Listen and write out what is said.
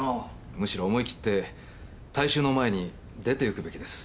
むしろ思い切って大衆の前に出ていくべきです。